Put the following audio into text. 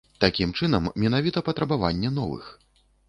Такім чынам, менавіта патрабаванне новых.